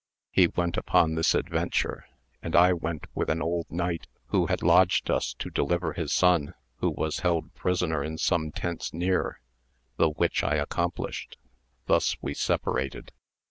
He went upon this adventure, and I went with an old knight who had lodged us to deliver his son, who was held prisoner in some tents near, the which I accomplished ; thus we separated.